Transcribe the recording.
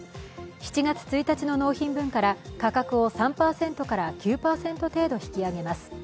７月１日の納品分から価格を３％から９％程度、引き上げます。